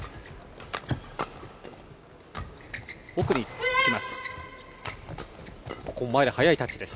奥に行きます。